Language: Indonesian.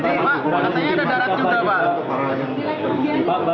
katanya ada darat juga pak